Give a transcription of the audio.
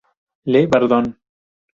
Le Bardon